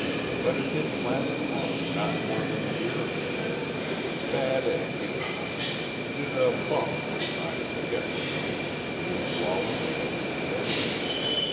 But it didn't last long not more than a year or two. Bad egg you know. Did a bunk I forget whether it was a Police wallah or a civilian.